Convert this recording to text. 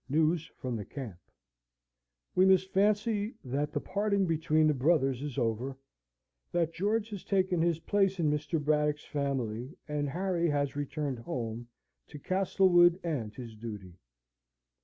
News from the Camp We must fancy that the parting between the brothers is over, that George has taken his place in Mr. Braddock's family, and Harry has returned home to Castlewood and his duty.